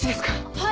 はい。